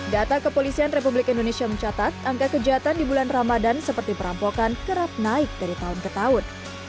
data kepolisian republik indonesia mencatat angka kejahatan di bulan ramadan seperti perampokan kerap naik dari tahun ke tahun